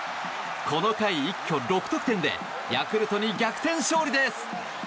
この回、一挙６得点でヤクルトに逆転勝利です。